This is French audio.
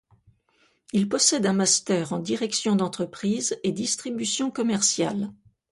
Il possède un master en direction d'entreprises et distribution commerciale.